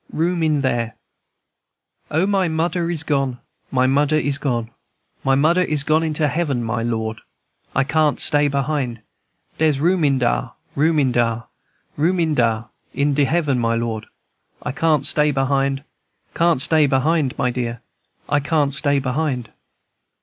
ROOM IN THERE. "O, my mudder is gone! my mudder is gone! My mudder is gone into heaven, my Lord! I can't stay behind! Dere's room in dar, room in dar, Room in dar, in de heaven, my Lord! I can't stay behind! Can't stay behind, my dear, I can't stay behind!